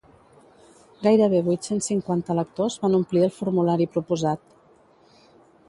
Gairebé vuit-cents cinquanta lectors van omplir el formulari proposat.